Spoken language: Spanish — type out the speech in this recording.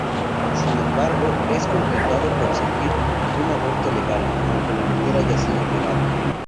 Sin embargo, es complicado conseguir un aborto legal, aunque la mujer haya sido violada.